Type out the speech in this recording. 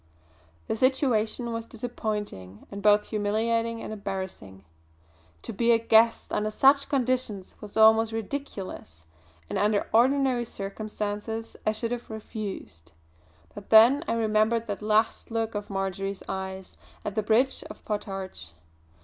The situation was disappointing and both humiliating and embarrassing. To be a guest under such conditions was almost ridiculous; and under ordinary circumstances I should have refused. But then I remembered that last look of Marjory's eyes at the bridge of Potarch!